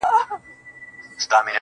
تا د ورځي زه د ځان كړمه جانـانـه.